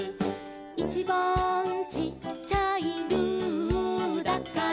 「いちばんちっちゃい」「ルーだから」